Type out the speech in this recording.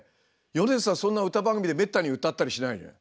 そんな歌番組でめったに歌ったりしないのよ。